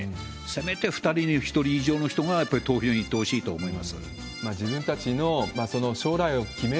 せめて２人に１人以上の人がやっぱり投票に行ってほしいと思い